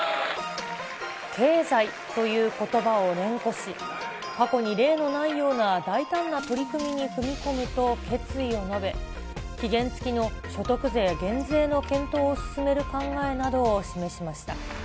経済ということばを連呼し、過去に例のないような大胆な取り組みに踏み込むと決意を述べ、期限付きの所得税減税の検討を進める考えなどを示しました。